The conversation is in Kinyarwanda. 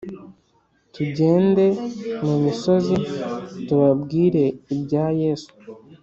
tugende mu misozi, tubabwire ibya yesu :